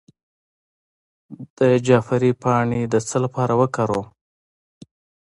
د جعفری پاڼې د څه لپاره وکاروم؟